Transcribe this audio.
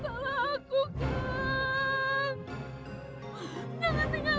jangan tinggalkan aku kang